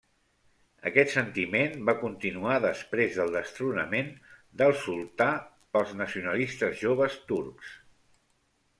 Aquest sentiment va continuar després del destronament del sultà pels nacionalistes Joves Turcs.